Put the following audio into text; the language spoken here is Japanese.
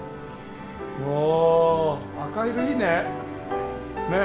おお赤色いいね。